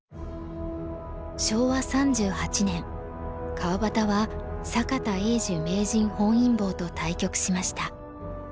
昭和３８年川端は坂田栄寿名人本因坊と対局しました。